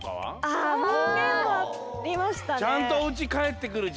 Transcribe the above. あもんげんはありましたね。